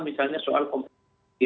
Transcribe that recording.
misalnya soal kompetisi